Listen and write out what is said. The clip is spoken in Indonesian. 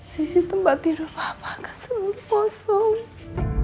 sisi tempat tidur papa akan seluruh kosong